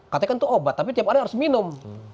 katanya kan itu obat tapi tiap hari harus minum